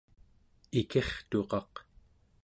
ikirtuqaq